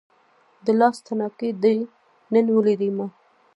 د لاس تڼاکې دې نن ولیدې ما